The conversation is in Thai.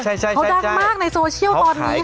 เขาดังมากในโซเชียลตอนนี้